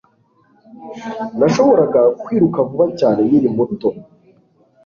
Nashoboraga kwiruka vuba cyane nkiri muto